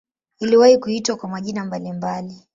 Iliwahi kuitwa kwa majina mbalimbali.